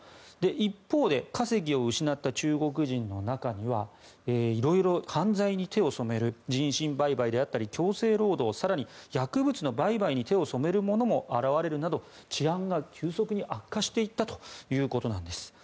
一方で稼ぎを失った中国人の中には色々、犯罪に手を染める人身売買だったり強制労働更に薬物の売買に手を染める者も現れるなど治安が急速に悪化していったということなんです。